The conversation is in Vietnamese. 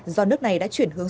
do nước này đã chuyển hướng